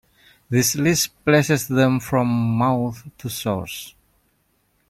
This list places them from mouth to source.